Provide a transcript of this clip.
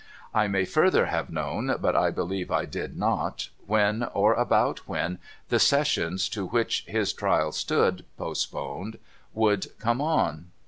I may further have known, but I believe I did not, when, or about when, the Sessions to which his trial stood postponed would come on.